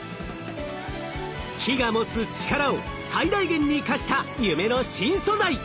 木が持つ力を最大限に生かした夢の新素材。